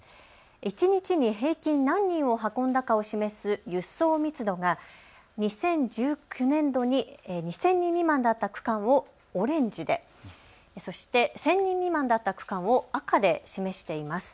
一日に平均何人を運んだかを示す輸送密度が２０１９年度に２０００人未満だった区間をオレンジで、そして１０００人未満だった区間を赤で示しています。